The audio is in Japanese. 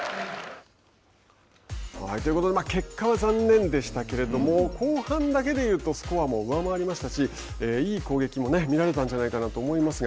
ということで結果は残念でしたけれども後半だけでいうとスコアも上回りましたしいい攻撃も見られたんじゃないかなと思いますが。